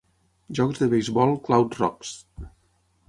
Jocs de beisbol Cloud Rox.